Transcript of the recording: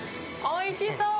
おいしそう。